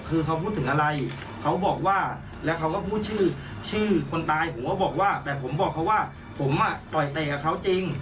คือเขาพูดถึงอะไรเขาบอกว่าแล้วเขาก็พูดชื่อชื่อคนตายผมก็บอกว่าแต่ผมบอกเขาว่าผมอ่ะต่อยเตะกับเขาจริง